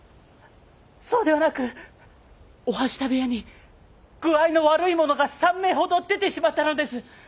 そうではなく御半下部屋に具合の悪いものが３名ほど出てしまったのです。